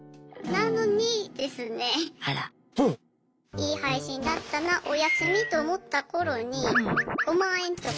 いい配信だったなおやすみと思った頃に５万円とか上限